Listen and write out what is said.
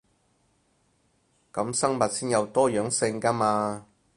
噉生物先有多樣性 𠺢 嘛